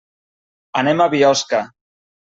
Anem a Biosca.